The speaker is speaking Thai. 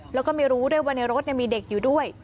แล้วก็ไม่รู้ด้วยว่าในรถมีเด็กอยู่ด้วย